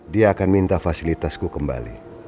dia akan minta fasilitasku kembali